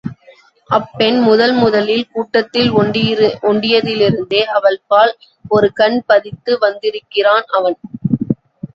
அப்பெண் முதன் முதலில் கூட்டத்தில் ஒண்டியதிலிருந்தே அவள்பால் ஒரு கண் பதித்து வந்திருக்கிறான் அவன்.